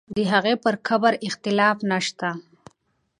د هغې پر قبر اختلاف نه شته.